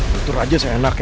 tutur aja seenaknya